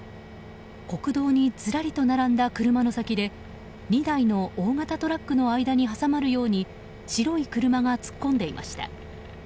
国道にずらりと並んだ車の先で２台の大型トラックの間に挟まるように白い車が突っ込んでいました。